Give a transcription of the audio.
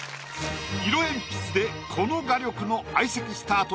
色鉛筆でこの画力の相席スタート